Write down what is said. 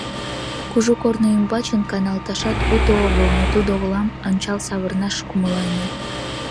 Кужу корно ӱмбачын каналташат уто огыл, но тудо олам ончал савырнаш кумылаҥе.